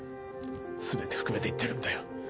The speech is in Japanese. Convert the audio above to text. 全て含めて言ってるんだよ。